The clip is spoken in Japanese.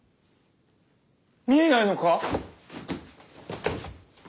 見えないのか？